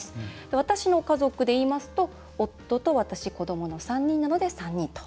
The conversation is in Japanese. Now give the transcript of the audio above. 私の家族でいいますと夫と、私、子どもの３人なので３人と。